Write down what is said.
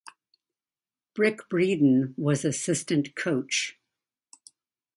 Brick Breeden was assistant coach.